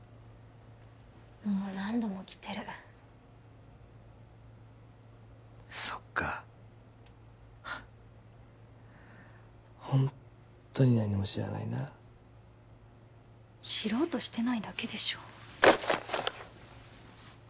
もう何度も着てるそっかホントに何も知らないな知ろうとしてないだけでしょ